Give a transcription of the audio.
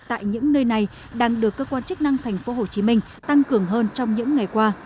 tại những nơi này đang được cơ quan chức năng tp hcm tăng cường hơn trong những ngày qua